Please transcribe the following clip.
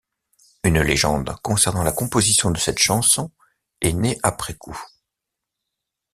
Une légende concernant la composition de cette chanson est née après coup.